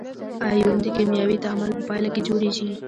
ایون د کیمیاوي تعامل په پایله کې جوړیږي.